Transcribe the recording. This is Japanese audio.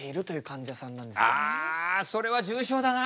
あそれは重症だな。